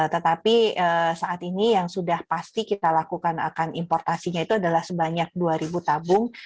tetapi saat ini yang sudah pasti kita lakukan akan importasinya itu adalah sebanyak dua tabung